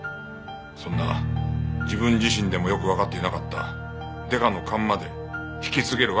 そんな自分自身でもよくわかっていなかったデカの勘まで引き継げるわけがない。